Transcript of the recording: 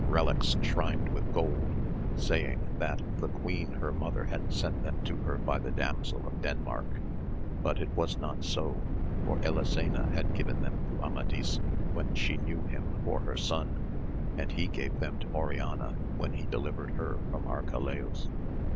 95 reliques shrined with gold, saying, That the queen h^r mother had sent them to her by the Damsel of Denmark; but it was not so, for Elisena had given them to Amadis when she knew him for her son, and he gave them to Oriana when he delivered her from Arcalaus.